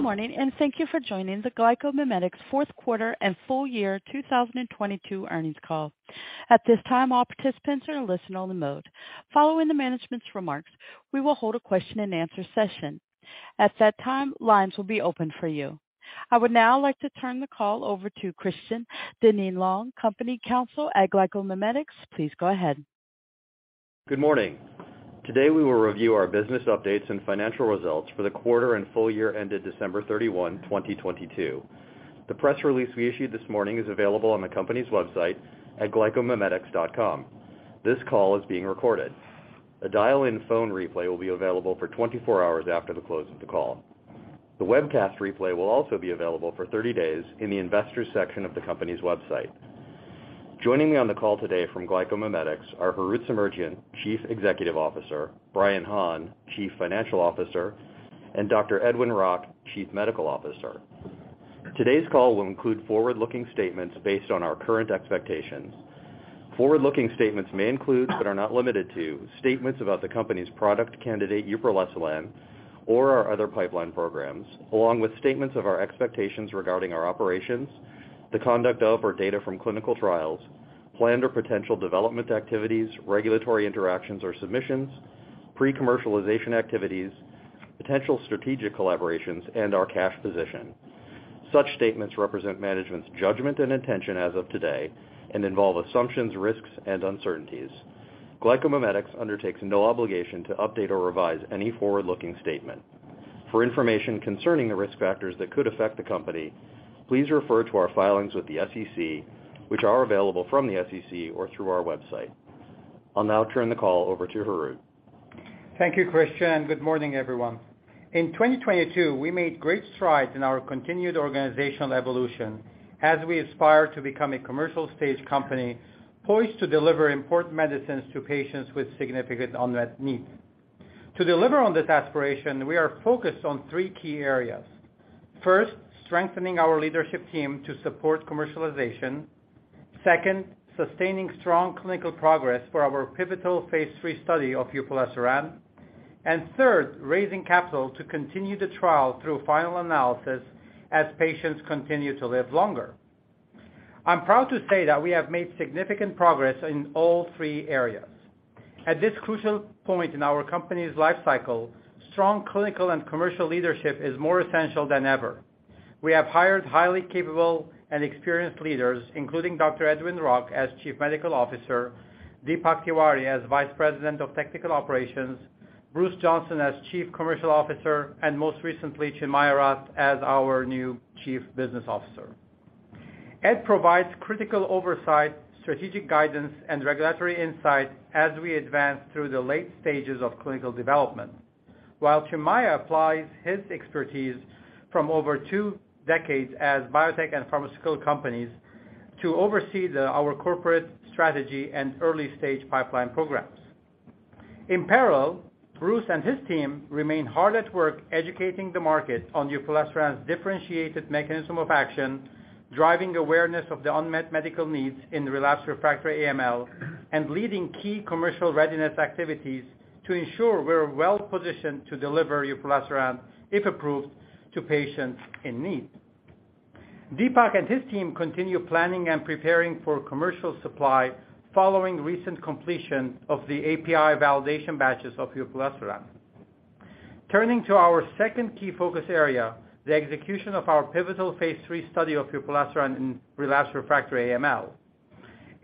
Good morning, and thank you for joining the GlycoMimetics Q4 and full year 2022 earnings call. At this time, all participants are listening on the mode. Following the management's remarks, we will hold a question-and-answer session. At that time, lines will be open for you. I would now like to turn the call over to Christian Dinneen-Long, Company Counsel at GlycoMimetics. Please go ahead. Good morning. Today, we will review our business updates and financial results for the quarter and full year ended December 31, 2022. The press release we issued this morning is available on the company's website at glycomimetics.com. This call is being recorded. A dial-in phone replay will be available for 24 hours after the close of the call. The webcast replay will also be available for 30 days in the investors section of the company's website. Joining me on the call today from GlycoMimetics are Harout Semerjian, Chief Executive Officer, Brian Hahn, Chief Financial Officer, and Dr. Edwin Rock, Chief Medical Officer. Today's call will include forward-looking statements based on our current expectations. Forward-looking statements may include, but are not limited to, statements about the company's product candidate, uproleselan, or our other pipeline programs, along with statements of our expectations regarding our operations, the conduct of our data from clinical trials, planned or potential development activities, regulatory interactions or submissions, pre-commercialization activities, potential strategic collaborations, and our cash position. Such statements represent management's judgment and intention as of today and involve assumptions, risks, and uncertainties. GlycoMimetics undertakes no obligation to update or revise any forward-looking statement. For information concerning the risk factors that could affect the company, please refer to our filings with the SEC, which are available from the SEC or through our website. I'll now turn the call over to Harout. Thank you, Christian. Good morning, everyone. In 2022, we made great strides in our continued organizational evolution as we aspire to become a commercial stage company poised to deliver important medicines to patients with significant unmet needs. To deliver on this aspiration, we are focused on three key areas. First, strengthening our leadership team to support commercialization. Second, sustaining strong clinical progress for our pivotal phase 3 study of uproleselan. Third, raising capital to continue the trial through final analysis as patients continue to live longer. I'm proud to say that we have made significant progress in all three areas. At this crucial point in our company's lifecycle, strong clinical and commercial leadership is more essential than ever. We have hired highly capable and experienced leaders, including Dr. Edwin Rock as Chief Medical Officer, Deepak Tiwari as Vice President of Technical Operations, Bruce Johnson as Chief Commercial Officer, most recently, Chimai Tran as our new Chief Business Officer. Ed provides critical oversight, strategic guidance, and regulatory insight as we advance through the late stages of clinical development. While Chimai applies his expertise from over two decades as biotech and pharmaceutical companies to oversee our corporate strategy and early-stage pipeline programs. In parallel, Bruce and his team remain hard at work educating the market on uproleselan's differentiated mechanism of action, driving awareness of the unmet medical needs in relapsed refractory AML, and leading key commercial readiness activities to ensure we're well-positioned to deliver uproleselan, if approved, to patients in need. Deepak and his team continue planning and preparing for commercial supply following recent completion of the API validation batches of uproleselan. Turning to our second key focus area, the execution of our pivotal Phase 3 study of uproleselan in relapsed refractory AML.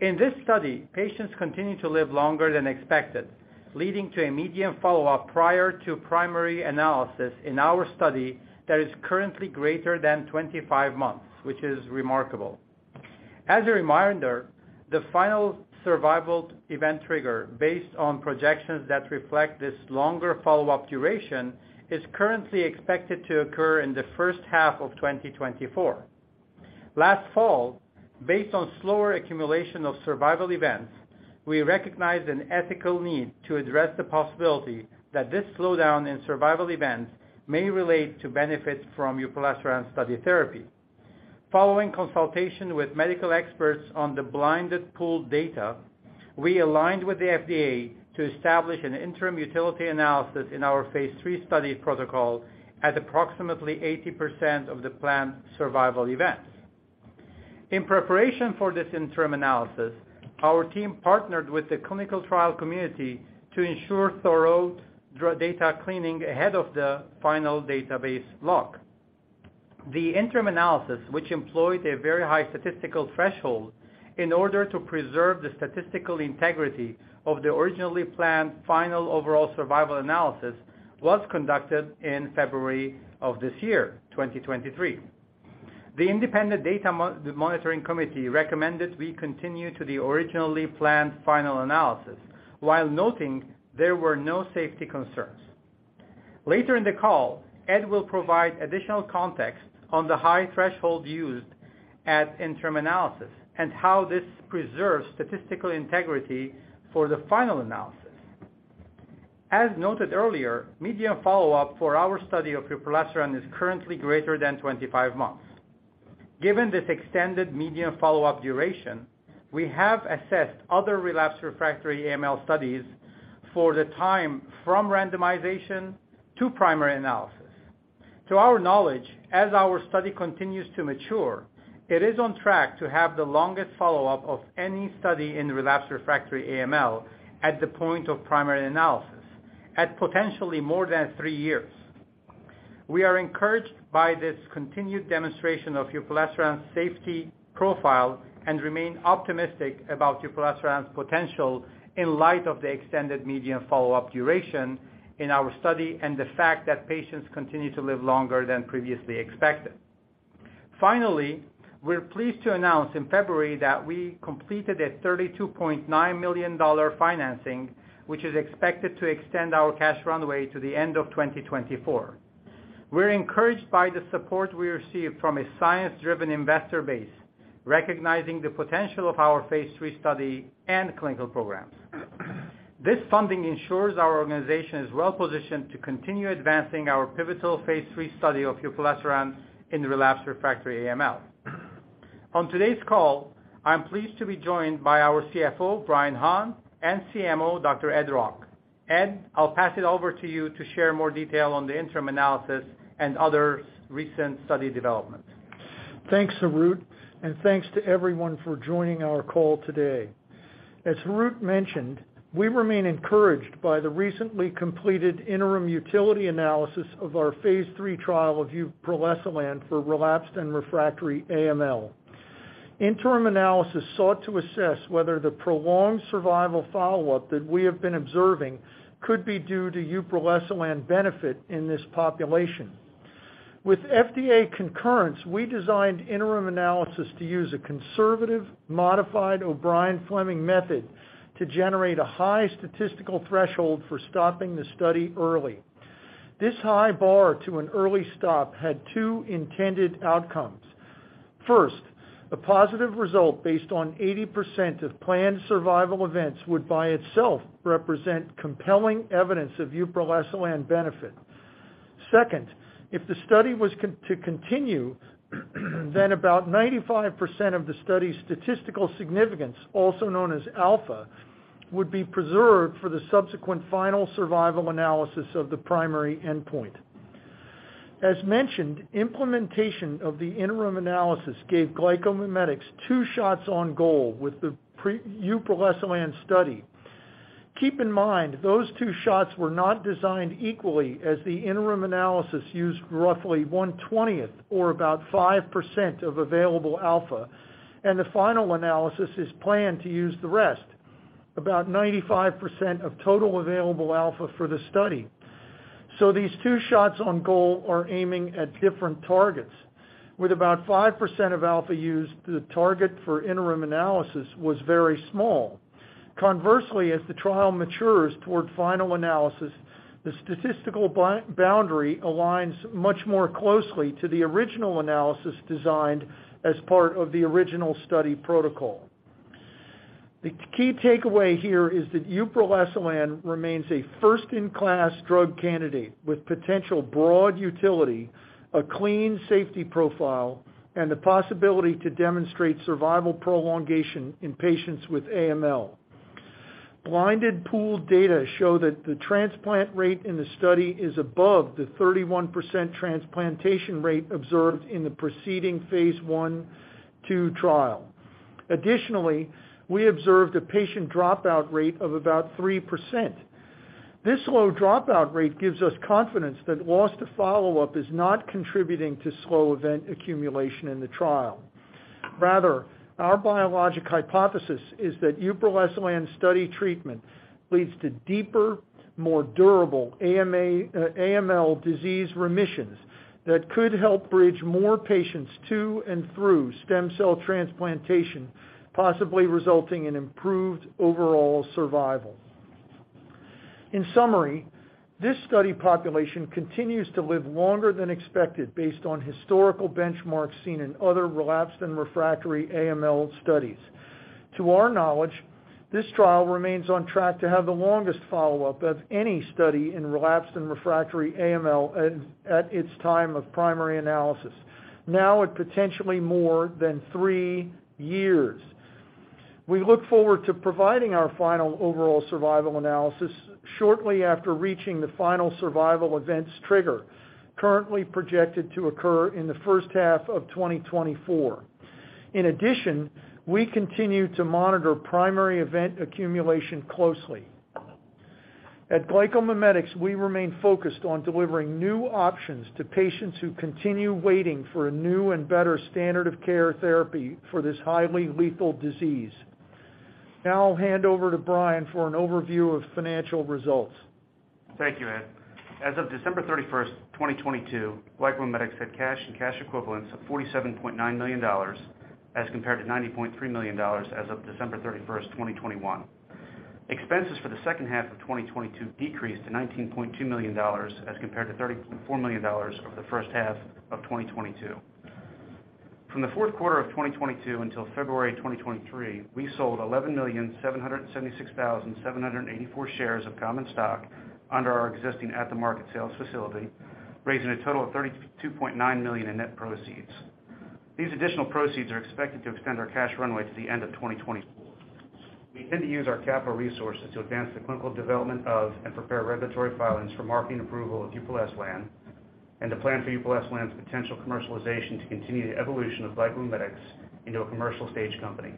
In this study, patients continue to live longer than expected, leading to a median follow-up prior to primary analysis in our study that is currently greater than 25 months, which is remarkable. As a reminder, the final survival event trigger based on projections that reflect this longer follow-up duration is currently expected to occur in the first half of 2024. Last fall, based on slower accumulation of survival events, we recognized an ethical need to address the possibility that this slowdown in survival events may relate to benefits from uproleselan study therapy. Following consultation with medical experts on the blinded pooled data, we aligned with the FDA to establish an interim utility analysis in our Phase 3 study protocol at approximately 80% of the planned survival events. In preparation for this interim analysis, our team partnered with the clinical trial community to ensure thorough data cleaning ahead of the final database lock. The interim analysis, which employed a very high statistical threshold in order to preserve the statistical integrity of the originally planned final overall survival analysis, was conducted in February of this year, 2023. The independent data monitoring committee recommended we continue to the originally planned final analysis, while noting there were no safety concerns. Later in the call, Ed will provide additional context on the high threshold used at interim analysis and how this preserves statistical integrity for the final analysis. As noted earlier, median follow-up for our study of uproleselan is currently greater than 25 months. Given this extended median follow-up duration, we have assessed other relapsed refractory AML studies for the time from randomization to primary analysis. To our knowledge, as our study continues to mature, it is on track to have the longest follow-up of any study in relapsed refractory AML at the point of primary analysis at potentially more than 3 years. We are encouraged by this continued demonstration of uproleselan's safety profile and remain optimistic about uproleselan's potential in light of the extended median follow-up duration in our study and the fact that patients continue to live longer than previously expected. Finally, we're pleased to announce in February that we completed a $32.9 million financing, which is expected to extend our cash runway to the end of 2024. We're encouraged by the support we received from a science-driven investor base recognizing the potential of our Phase 3 study and clinical programs. This funding ensures our organization is well-positioned to continue advancing our pivotal phase 3 study of uproleselan in relapsed refractory AML. On today's call, I'm pleased to be joined by our CFO, Brian Hahn, and CMO, Dr. Ed Rock. Ed, I'll pass it over to you to share more detail on the interim analysis and other recent study developments. Thanks, Harout, and thanks to everyone for joining our call today. As Harout mentioned, we remain encouraged by the recently completed interim utility analysis of our phase 3 trial of uproleselan for relapsed and refractory AML. Interim analysis sought to assess whether the prolonged survival follow-up that we have been observing could be due to uproleselan benefit in this population. With FDA concurrence, we designed interim analysis to use a conservative, modified O'Brien-Fleming method to generate a high statistical threshold for stopping the study early. This high bar to an early stop had two intended outcomes. First, a positive result based on 80% of planned survival events would by itself represent compelling evidence of uproleselan benefit. Second, if the study was to continue, then about 95% of the study's statistical significance, also known as alpha, would be preserved for the subsequent final survival analysis of the primary endpoint. As mentioned, implementation of the interim analysis gave GlycoMimetics two shots on goal with the uproleselan study. Keep in mind, those two shots were not designed equally as the interim analysis used roughly 1/20 or about 5% of available alpha, and the final analysis is planned to use the rest, about 95% of total available alpha for the study. These two shots on goal are aiming at different targets. With about 5% of alpha used, the target for interim analysis was very small. Conversely, as the trial matures toward final analysis, the statistical boundary aligns much more closely to the original analysis designed as part of the original study protocol. The key takeaway here is that uproleselan remains a first-in-class drug candidate with potential broad utility, a clean safety profile, and the possibility to demonstrate survival prolongation in patients with AML. Blinded pooled data show that the transplant rate in the study is above the 31% transplantation rate observed in the preceding phase 1, 2 trial. We observed a patient dropout rate of about 3%. This low dropout rate gives us confidence that loss to follow-up is not contributing to slow event accumulation in the trial. Our biologic hypothesis is that uproleselan study treatment leads to deeper, more durable AML disease remissions that could help bridge more patients to and through stem cell transplantation, possibly resulting in improved Overall Survival. This study population continues to live longer than expected based on historical benchmarks seen in other relapsed and refractory AML studies. To our knowledge, this trial remains on track to have the longest follow-up of any study in relapsed and refractory AML at its time of primary analysis, now at potentially more than 3 years. We look forward to providing our final Overall Survival analysis shortly after reaching the final survival events trigger, currently projected to occur in the first half of 2024. In addition, we continue to monitor primary event accumulation closely. At GlycoMimetics, we remain focused on delivering new options to patients who continue waiting for a new and better standard of care therapy for this highly lethal disease. Now I'll hand over to Brian for an overview of financial results. Thank you, Ed. As of December 31, 2022, GlycoMimetics had cash and cash equivalents of $47.9 million as compared to $90.3 million as of December 31, 2021. Expenses for the second half of 2022 decreased to $19.2 million as compared to $30 million $4 million over the first half of 2022. From the Q4 of 2022 until February 2023, we sold 11,776,784 shares of common stock under our existing at-the-market sales facility, raising a total of $32.9 million in net proceeds. These additional proceeds are expected to extend our cash runway to the end of 2024. We intend to use our capital resources to advance the clinical development of, and prepare regulatory filings for marketing approval of uproleselan, and to plan for uproleselan's potential commercialization to continue the evolution of GlycoMimetics into a commercial stage company.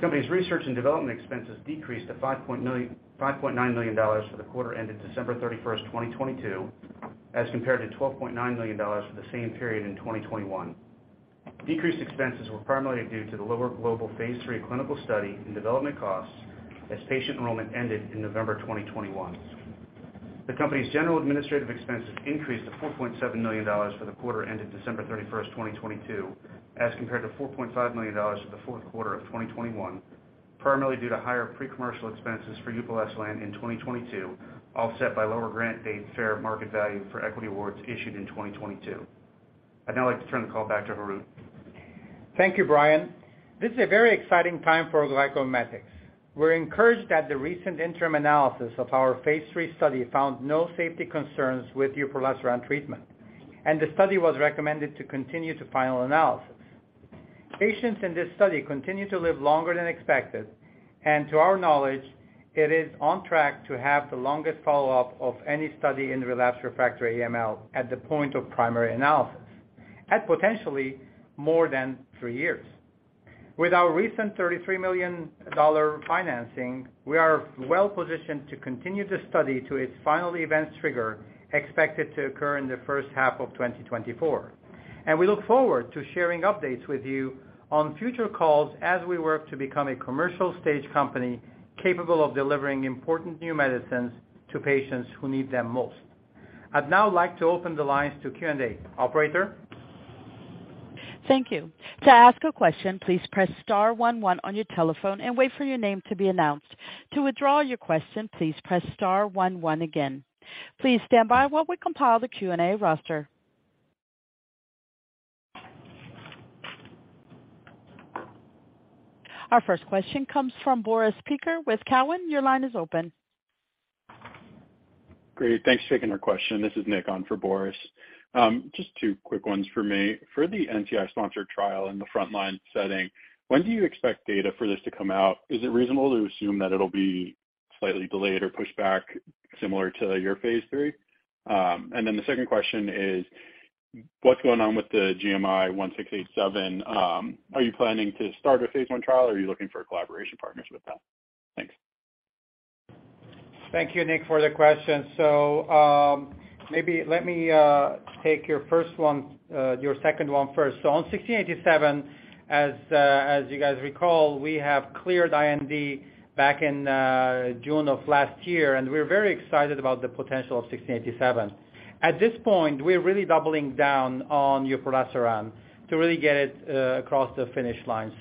Company's research and development expenses decreased to $5.9 million for the quarter ended December 31, 2022, as compared to $12.9 million for the same period in 2021. Decreased expenses were primarily due to the lower global phase 3 clinical study and development costs as patient enrollment ended in November 2021. The company's general administrative expenses increased to $4.7 million for the quarter ended December 31, 2022, as compared to $4.5 million for the Q4 of 2021, primarily due to higher pre-commercial expenses for uproleselan in 2022, offset by lower grant date fair market value for equity awards issued in 2022. I'd now like to turn the call back to Harout. Thank you, Brian. This is a very exciting time for GlycoMimetics. We're encouraged that the recent interim analysis of our phase three study found no safety concerns with uproleselan treatment, and the study was recommended to continue to final analysis. Patients in this study continue to live longer than expected, and to our knowledge, it is on track to have the longest follow-up of any study in relapsed refractory AML at the point of primary analysis, at potentially more than three years. With our recent $33 million financing, we are well-positioned to continue the study to its final events trigger, expected to occur in the first half of 2024. We look forward to sharing updates with you on future calls as we work to become a commercial stage company capable of delivering important new medicines to patients who need them most. I'd now like to open the lines to Q&A. Operator? Thank you. To ask a question, please press star one one on your telephone and wait for your name to be announced. To withdraw your question, please press star one one again. Please stand by while we compile the Q&A roster. Our first question comes from Boris Peaker with Cowen. Your line is open. Great. Thanks for taking our question. This is Nick on for Boris. Just two quick ones from me. For the NCI-sponsored trial in the front line setting, when do you expect data for this to come out? Is it reasonable to assume that it'll be slightly delayed or pushed back similar to your phase 3? The second question is, what's going on with the GMI-1687? Are you planning to start a phase 1 trial, or are you looking for collaboration partners with that? Thanks. Thank you, Nick, for the question. Maybe let me take your second one first. On GMI-1687, as you guys recall, we have cleared IND back in June of last year, and we're very excited about the potential of GMI-1687. At this point, we're really doubling down on uproleselan to really get it across the finish line.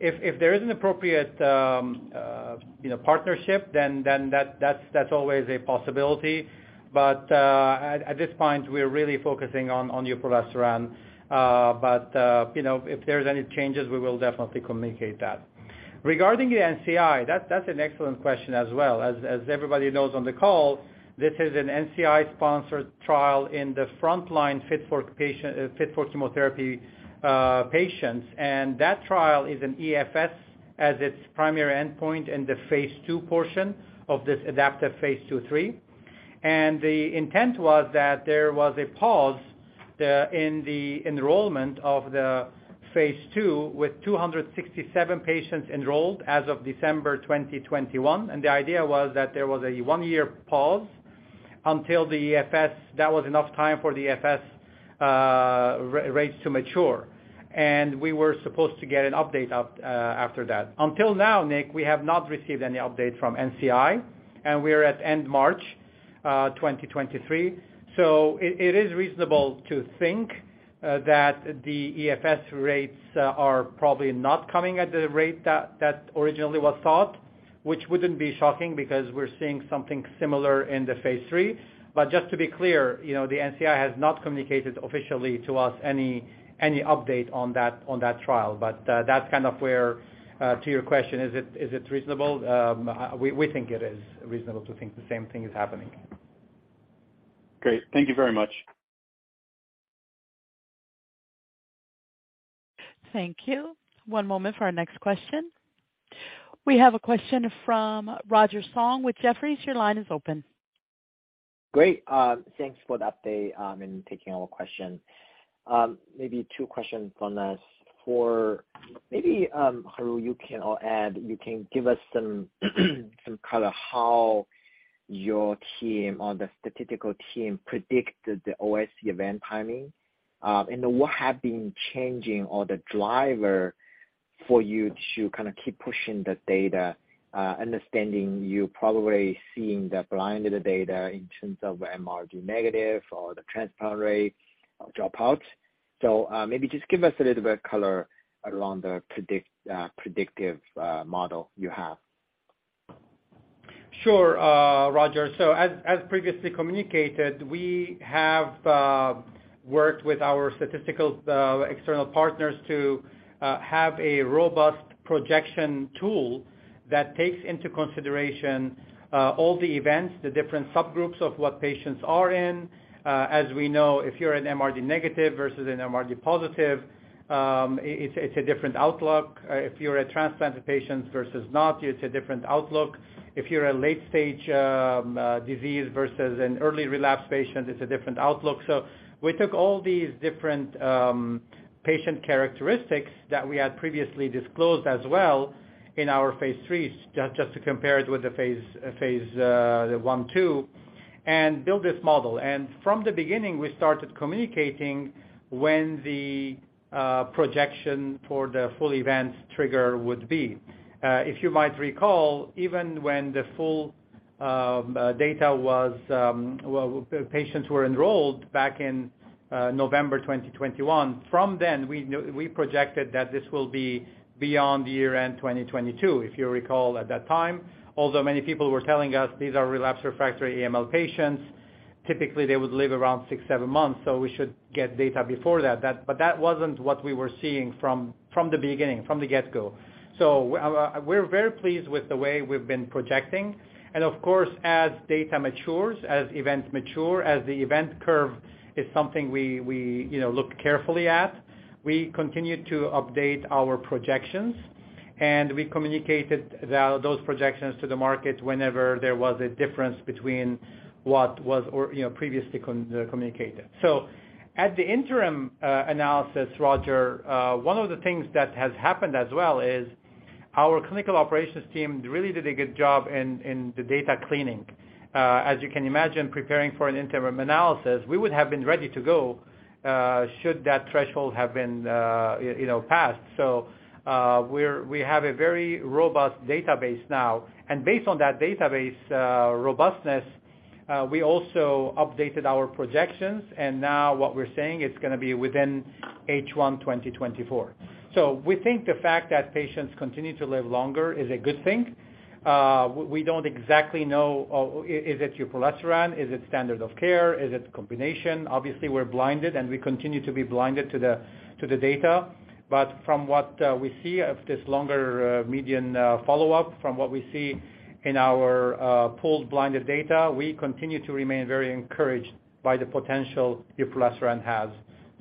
If there is an appropriate, you know, partnership, then that's always a possibility. At this point, we're really focusing on uproleselan. You know, if there's any changes, we will definitely communicate that. Regarding the NCI, that's an excellent question as well. As everybody knows on the call, this is an NCI-sponsored trial in the front line fit for chemotherapy patients. That trial is an EFS as its primary endpoint in the phase 2 portion of this adaptive phase 2-3. The intent was that there was a pause in the enrollment of the phase 2 with 267 patients enrolled as of December 2021. The idea was that there was a one-year pause until the EFS. That was enough time for the EFS rates to mature. We were supposed to get an update up after that. Until now, Nick, we have not received any update from NCI, and we're at end March 2023. It is reasonable to think that the EFS rates are probably not coming at the rate that originally was thought, which wouldn't be shocking because we're seeing something similar in the phase 3. Just to be clear, you know, the NCI has not communicated officially to us any update on that trial. That's kind of where, to your question, is it reasonable? We think it is reasonable to think the same thing is happening. Great. Thank you very much. Thank you. One moment for our next question. We have a question from Roger Song with Jefferies. Your line is open. Great. Thanks for the update, and taking our question. Maybe two questions from us. For maybe, Harout, you can give us some color how your team or the statistical team predicted the OS event timing. What have been changing or the driver for you to kinda keep pushing the data, understanding you probably seeing the blind data in terms of MRD negative or the transplant rate drop out. Maybe just give us a little bit of color around the predictive model you have. Sure, Roger. As previously communicated, we have worked with our statistical external partners to have a robust projection tool that takes into consideration all the events, the different subgroups of what patients are in. As we know, if you're an MRD-negative versus an MRD-positive, it's a different outlook. If you're a transplanted patient versus not, it's a different outlook. If you're a late stage disease versus an early relapse patient, it's a different outlook. We took all these different patient characteristics that we had previously disclosed as well in our phase 3s, just to compare it with the phase the 1, 2, and build this model. From the beginning, we started communicating when the projection for the full events trigger would be. If you might recall, even when the full data was, well, the patients were enrolled back in November 2021. We knew we projected that this will be beyond year-end 2022. If you recall at that time, although many people were telling us these are relapsed/refractory AML patients, typically they would live around six, seven months, so we should get data before that. That wasn't what we were seeing from the beginning, from the get-go. We're very pleased with the way we've been projecting. Of course, as data matures, as events mature, as the event curve is something we, you know, look carefully at, we continue to update our projections, and we communicated the, those projections to the market whenever there was a difference between what was or, you know, previously communicated. At the interim analysis, Roger, one of the things that has happened as well is our clinical operations team really did a good job in the data cleaning. As you can imagine, preparing for an interim analysis, we would have been ready to go, should that threshold have been, you know, passed. We have a very robust database now, and based on that database robustness, we also updated our projections. Now what we're saying it's gonna be within H1 2024. We think the fact that patients continue to live longer is a good thing. We don't exactly know, is it uproleselan? Is it standard of care? Is it combination? Obviously, we're blinded, and we continue to be blinded to the data. From what we see of this longer median follow-up, from what we see in our pooled blinded data, we continue to remain very encouraged by the potential uproleselan has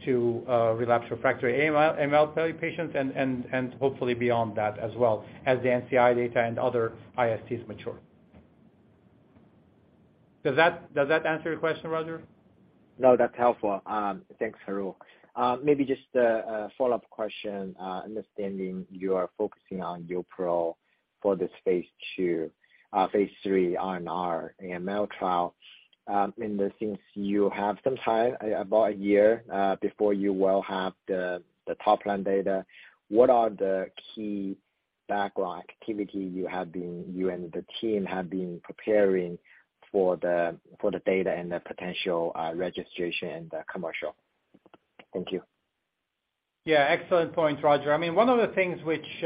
to relapse/refractory AML patients and hopefully beyond that as well as the NCI data and other ISTs mature. Does that answer your question, Roger? No, that's helpful. Thanks, Harout. Maybe just a follow-up question. Understanding you are focusing on upro for this phase 3 RNR AML trial, in the sense you have some time, about a year, before you will have the top line data, what are the key background activity you and the team have been preparing for the data and the potential registration and the commercial? Thank you. Excellent point, Roger. I mean, one of the things which,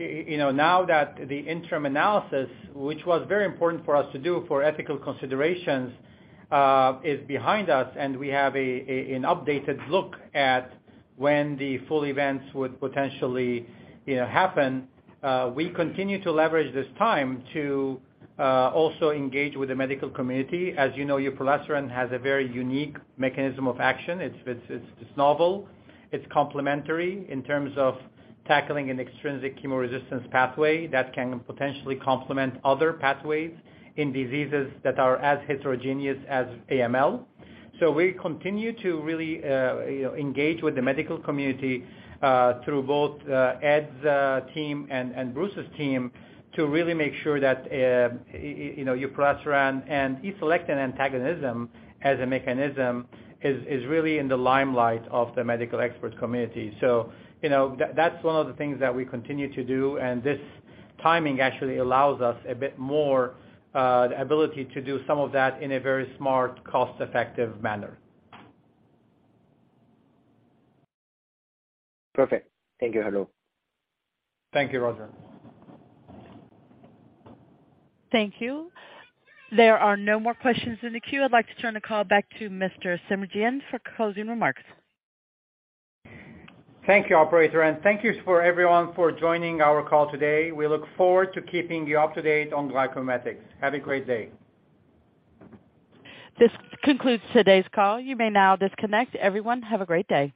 you know, now that the interim analysis, which was very important for us to do for ethical considerations, is behind us, and we have an updated look at when the full events would potentially, you know, happen. We continue to leverage this time to also engage with the medical community. As you know, uproleselan has a very unique mechanism of action. It's novel. It's complementary in terms of tackling an extrinsic chemoresistance pathway that can potentially complement other pathways in diseases that are as heterogeneous as AML. We continue to really, you know, engage with the medical community through both Ed's team and Bruce's team to really make sure that, you know, uproleselan and E-selectin antagonism as a mechanism is really in the limelight of the medical expert community. You know, that's one of the things that we continue to do, and this timing actually allows us a bit more ability to do some of that in a very smart, cost-effective manner. Perfect. Thank you, Harout. Thank you, Roger. Thank you. There are no more questions in the queue. I'd like to turn the call back to Mr. Semerjian for closing remarks. Thank you, operator. Thank you for everyone for joining our call today. We look forward to keeping you up to date on GlycoMimetics. Have a great day. This concludes today's call. You may now disconnect. Everyone, have a great day.